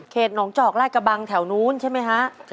หนองจอกลาดกระบังแถวนู้นใช่ไหมฮะ